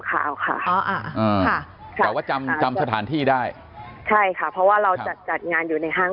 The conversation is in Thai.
ข่าวค่ะทำสถานที่ได้ถ่ายค่ะเพราะว่าเราจัดงานอยู่ในห้าง